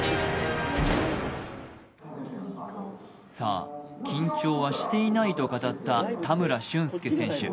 さあ、緊張はしていないと語った田村俊介選手。